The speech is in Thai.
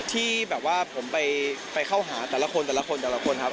ที่แบบว่าผมไปเข้าหาแต่ละคนใบจอ้าย